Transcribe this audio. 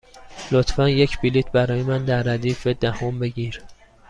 لطفا یک بلیط برای من در ردیف دهم بگیر.